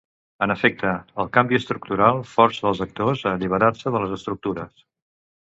En efecte, el canvi estructural força els actors a alliberar-se de les estructures.